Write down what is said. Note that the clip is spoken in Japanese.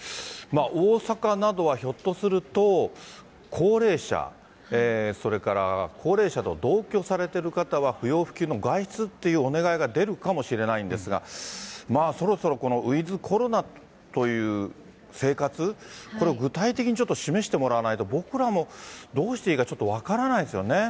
大阪などはひょっとすると、高齢者、それから高齢者と同居されてる方は、不要不急の外出っていうお願いが出るかもしれないんですが、まあそろそろ、このウィズコロナという生活、これを具体的にちょっと示してもらわないと、僕らもどうしていいそうですね。